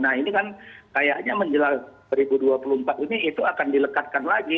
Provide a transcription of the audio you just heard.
nah ini kan kayaknya menjelang dua ribu dua puluh empat ini itu akan dilekatkan lagi